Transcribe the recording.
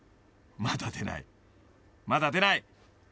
［まだ出ないまだ出ない］